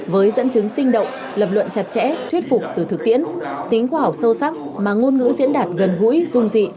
với dẫn chứng sinh động lập luận chặt chẽ thuyết phục từ thực tiễn tính khoa học sâu sắc mà ngôn ngữ diễn đạt gần gũi dung dị